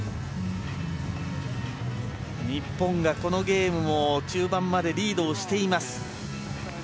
日本がこのゲームも中盤までリードをしています。